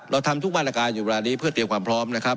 เราทำทุกบรรยากาศอยู่เวลานี้เพื่อเตรียมความพร้อม